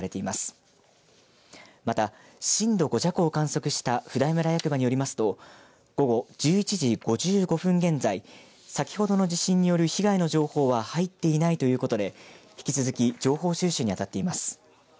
また、震度５弱を観測した普代村役場によりますと午後１１時５５分現在先ほどの地震による被害の情報は入っていないということで引き続き情報収集にあたっています。